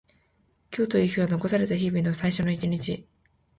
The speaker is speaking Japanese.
今日という日は残された日々の最初の一日。